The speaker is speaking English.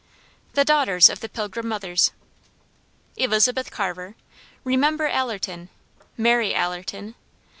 The Daughters of the Pilgrim Mothers. Elizabeth Carver. Remember Allerton. Mary Allerton.